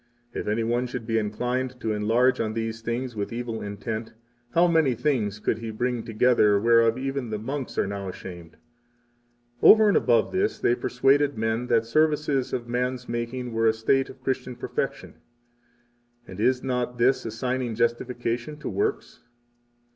If any one should be inclined to enlarge on these things with evil intent, how many things could he bring together whereof even the monks are now ashamed! 46 Over and above this, they persuaded men that services of man's making were a state of Christian perfection. 47 And is not this assigning justification to works?